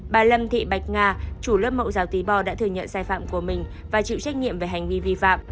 bà lâm thị bạch nga chủ lớp mẫu giáo tí bo đã thừa nhận sai phạm của mình và chịu trách nhiệm về hành vi vi phạm